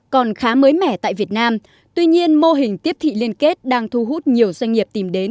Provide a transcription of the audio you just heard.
còn khá mới mẻ tại việt nam tuy nhiên mô hình tiếp thị liên kết đang thu hút nhiều doanh nghiệp tìm đến